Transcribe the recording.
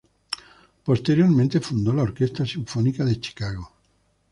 Posteriormente fundó la Orquesta Sinfónica de Chicago.